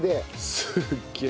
すっげえ。